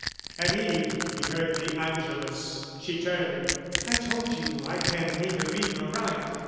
" At eve we heard the angelus: she turned "I told you I can neither read nor write.